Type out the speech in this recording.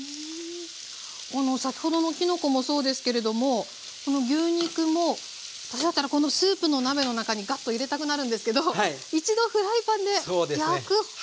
あの先ほどのきのこもそうですけれどもこの牛肉も私だったらこのスープの鍋の中にガッと入れたくなるんですけど一度フライパンで焼くという。